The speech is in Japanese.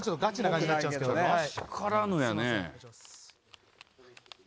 らしからぬやね。